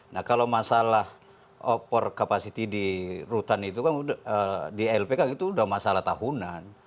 nah kalau masalah over capacity di rutan itu kan di lp kan itu sudah masalah tahunan